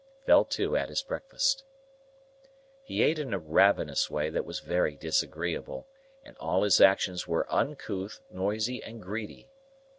fell to at his breakfast. He ate in a ravenous way that was very disagreeable, and all his actions were uncouth, noisy, and greedy.